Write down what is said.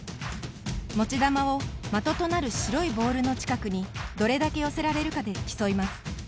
持ち玉を的となる白いボールの近くにどれだけ寄せられるかで競います。